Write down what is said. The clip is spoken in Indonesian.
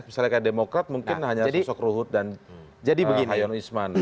misalnya kayak demokrat mungkin hanya soekrohut dan hayon isman